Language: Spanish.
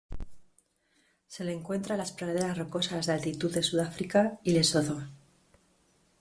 Se le encuentra en las praderas rocosas de altitud en Sudáfrica y Lesotho.